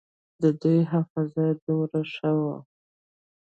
د دوى حافظه دومره ښه وه.